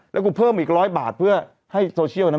แล้วกูเพิ่มอีก๑๐๐บาทเพื่อให้โซเชียลนั้น